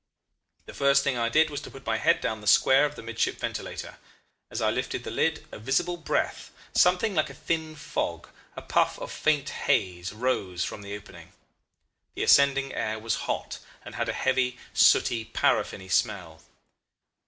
"The first thing I did was to put my head down the square of the midship ventilator. As I lifted the lid a visible breath, something like a thin fog, a puff of faint haze, rose from the opening. The ascending air was hot, and had a heavy, sooty, paraffiny smell.